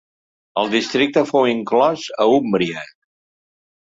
El districte fou inclòs a Úmbria.